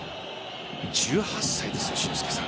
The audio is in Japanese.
１８歳です、俊輔さん。